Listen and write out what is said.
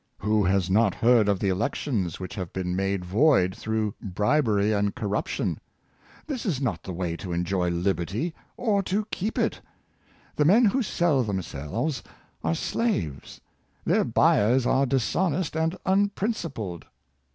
Who has not heard of the elections which have been made void through bribery and corruption? This is not the way to enjoy liberty or to keep it. The men who sell themselves are slaves; their buyers are dishonest and unprincipled.